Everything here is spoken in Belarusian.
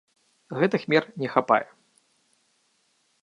Гэтых мер не хапае.